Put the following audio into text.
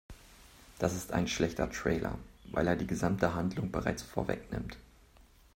Das ist ein schlechter Trailer, weil er die gesamte Handlung bereits vorwegnimmt.